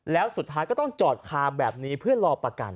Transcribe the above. แล้วสุดท้ายก็ต้องจอดคาแบบนี้เพื่อรอประกัน